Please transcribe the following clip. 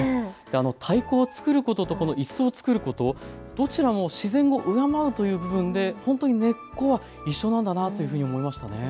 太鼓を作ることといすを作ること、どちらも自然を敬うという部分で根っこは一緒なんだなというふうに思いました。